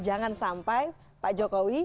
jangan sampai pak jokowi